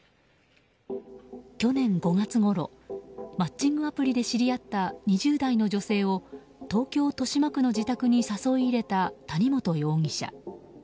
去年５月ごろマッチングアプリで知り合った２０代の女性を東京・豊島区の自宅に誘い入れた谷本容疑者。